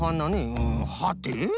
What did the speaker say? うんはて？